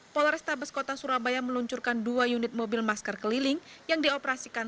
polrestabes kota surabaya meluncurkan dua unit mobil masker keliling yang dioperasikan